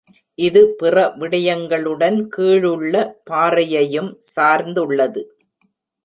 இது பிற விடயங்களுடன் கீழுள்ள பாறையையும் சார்ந்துள்ளது.